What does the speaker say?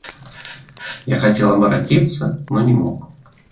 Я хотел оборотиться, но не мог.